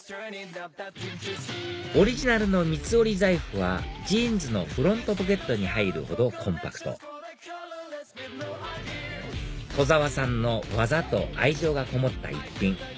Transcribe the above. オリジナルの三つ折り財布はジーンズのフロントポケットに入るほどコンパクト戸沢さんの技と愛情がこもった一品